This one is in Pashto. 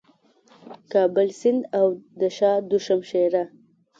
کابل سیند او د شاه دو شمشېره